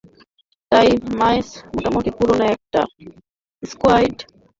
তাই ময়েস মোটামুটি পুরোনো একটা স্কোয়াডই তাঁর দায়িত্বভার গ্রহণের সময় পেয়েছিলেন।